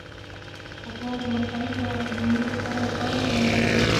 غوا د مختلفو اقلیمونو سره ځان عیاروي.